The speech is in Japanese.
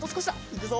いくぞ！